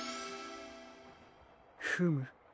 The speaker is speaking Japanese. フム。